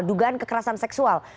dugaan kekerasan seksual